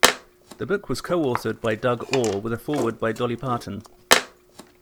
The book was co-authored by Doug Orr with a Foreword by Dolly Parton.